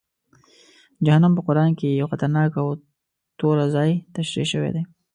جهنم په قرآن کې یو خطرناک او توره ځای تشریح شوی دی.